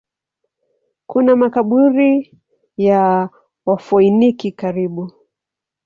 Kuna makaburi ya Wafoeniki karibu.